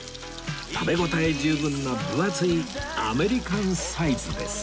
食べ応え十分な分厚いアメリカンサイズです